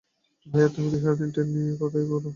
ভায়া, তুমি তো সারাদিন ট্রেন নিয়েই কথা বলো।